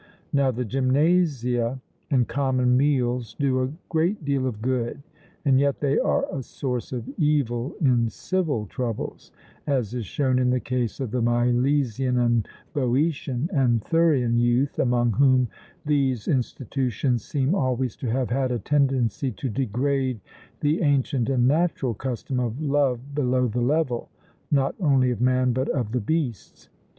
Now the gymnasia and common meals do a great deal of good, and yet they are a source of evil in civil troubles; as is shown in the case of the Milesian, and Boeotian, and Thurian youth, among whom these institutions seem always to have had a tendency to degrade the ancient and natural custom of love below the level, not only of man, but of the beasts.